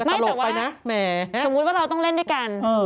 สมมุติว่าเราต้องเล่นด้วยกัน